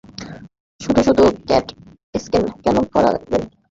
শুধু-শুধু CAT scan কেন করাবেন?